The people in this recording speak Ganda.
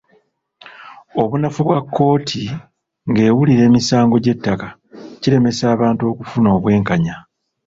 Obunafu bwa kkooti ng’ewulira emisango gy’ettaka kiremesa abantu okufuna obwenkanya.